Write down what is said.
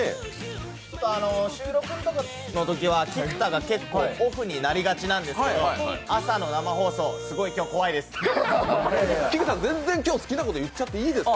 収録のときは結構、菊田がオフになりがちなんですけど朝の生放送、すごい今日怖いです。